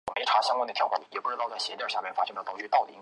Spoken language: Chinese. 中华人民共和国第三届国防委员会委员。